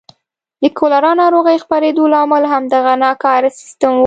د کولرا ناروغۍ خپرېدو لامل همدغه ناکاره سیستم و.